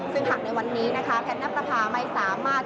ซึ่งหากในวันนี้นะคะแพทย์นับประพาไม่สามารถ